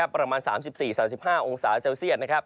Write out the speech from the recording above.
ประมาณ๓๔๓๕องศาเซลเซียต